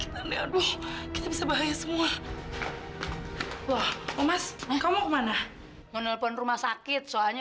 sampai jumpa di video selanjutnya